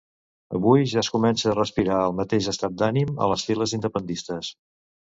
Avui ja es comença a respirar el mateix estat d'ànim a les files independentistes.